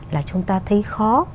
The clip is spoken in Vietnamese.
là chúng ta thấy khó